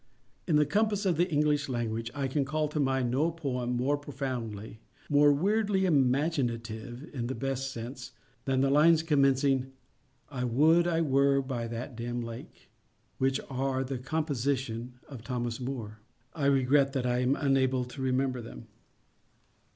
In the compass of the English language I can call to mind no poem more profoundly—more weirdly _imaginative, _in the best sense, than the lines commencing—"I would I were by that dim lake"—which are the com. position of Thomas Moore. I regret that I am unable to remember them.